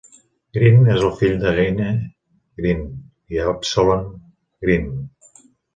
Green és el fill de Genia Green i Absalom Green.